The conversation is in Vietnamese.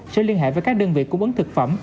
sẽ liên hệ với các đơn vị cung bấn thực phẩm